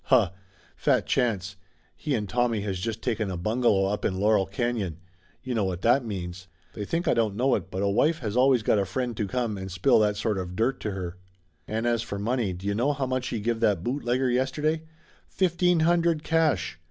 "Huh! Fat chance! He and Tommy has just taken a bungalow up in Laurel Canon. You know what that means. They think I don't know it, but a wife has always got a friend to come and spill that sort of dirt to her! And as for money, do you know how much he give that bootlegger yesterday? Fifteen hundred, cash!